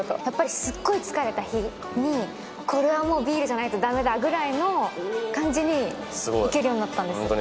やっぱりすっごい疲れた日に、これはもう、ビールじゃないとだめだぐらいの感じにいけるようになったんです